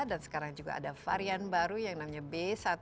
dan sekarang juga ada varian baru yang namanya b satu ratus tujuh belas